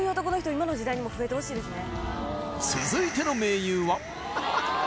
今の時代にも増えてほしいですね